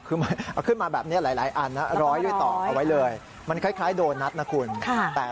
เอาขึ้นมาแบบนี้หลายอันร้อยด้วยต่อ